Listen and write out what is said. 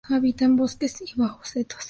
Habita en bosques y bajo setos.